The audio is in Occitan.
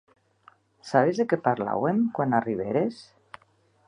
Sabes de qué parlàuem quan arribères?